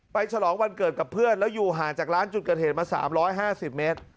ฉลองวันเกิดกับเพื่อนแล้วอยู่ห่างจากร้านจุดเกิดเหตุมา๓๕๐เมตร